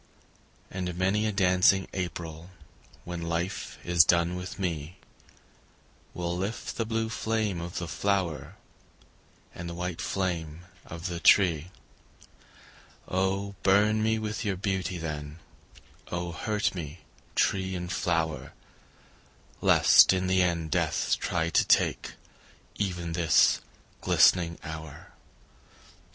And many a dancing April When life is done with me, Will lift the blue flame of the flower And the white flame of the tree. Oh burn me with your beauty, then, Oh hurt me, tree and flower, Lest in the end death try to take Even this glistening hour.